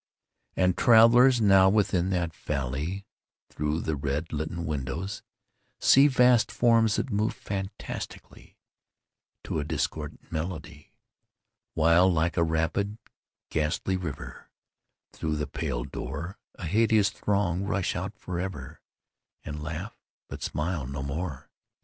VI. And travellers now within that valley, Through the red litten windows, see Vast forms that move fantastically To a discordant melody; While, like a rapid ghastly river, Through the pale door, A hideous throng rush out forever, And laugh—but smile no more.